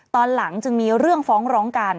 ตอนหลังจึงมีเรื่องฟ้องร้องกัน